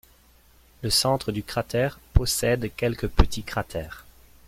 Le centre du cratère possède quelques petits cratères.